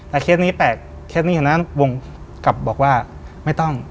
แต่เคสนี้แปลกเคสนี้อันนั้นวงกลับบอกว่าไม่ต้อง